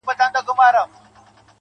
هغه به زما له سترگو,